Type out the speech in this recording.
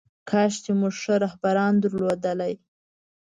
کاش چې موږ ښه رهبران درلودلی.